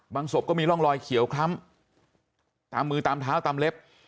ศพก็มีร่องรอยเขียวคล้ำตามมือตามเท้าตามเล็บ